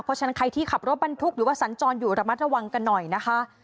เพราะฉะนั้นใครที่ขับรถบรรทุกหรือว่าสัญจรอยู่ระมัดระวังกันหน่อยนะคะ